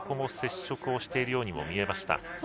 接触しているように見えました。